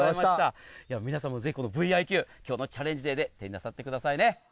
皆さんもぜひこのＶｉＱ今日のチャレンジデーで手になさってくださいね。